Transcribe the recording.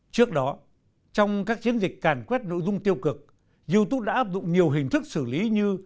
trước đó trong các chiến dịch càn quét nội dung tiêu cực youtube đã áp dụng nhiều hình thức xử lý như